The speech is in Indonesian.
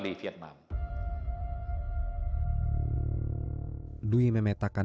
bahkan dwi dan tim kerap menjadi saksi untuk penelusuran perkara yang diputus pengadilan